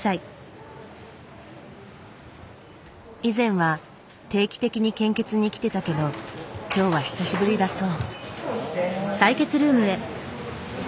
以前は定期的に献血に来てたけど今日は久しぶりだそう。